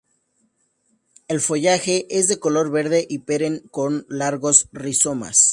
El follaje es de color verde y perenne con largos rizomas.